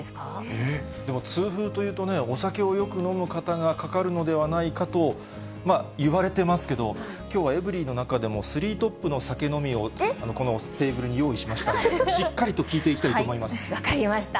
えー、でも痛風というとね、お酒をよく飲む方がかかるのではないかと、言われてますけど、きょうはエブリィの中でも、スリートップの酒飲みをこのテーブルに用意しましたんで、しっか分かりました。